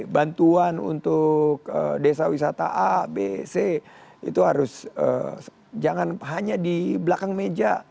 bantuan untuk desa wisata a b c itu harus jangan hanya di belakang meja